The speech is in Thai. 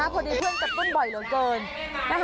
พอดีเพื่อนกระตุ้นบ่อยเหลือเกิน